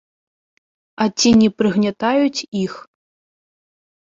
А ці не прыгнятаюць іх?